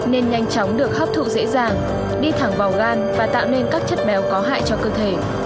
nên nhanh chóng được hấp thụ dễ dàng đi thẳng vào gan và tạo nên các chất béo có hại cho cơ thể